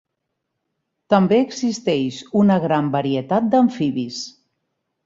També existeix una gran varietat d'amfibis.